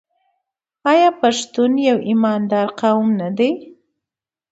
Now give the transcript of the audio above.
آیا پښتون یو ایماندار قوم نه دی؟